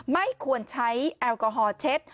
ไม่ควรใช้แอลกอฮอล์เช็ด